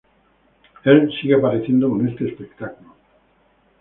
Él sigue apareciendo con este espectáculo.